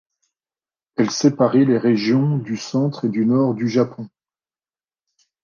Elle séparait les régions du centre et du nord du Japon.